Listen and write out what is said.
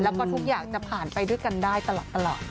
แล้วก็ทุกอย่างจะผ่านไปด้วยกันได้ตลอด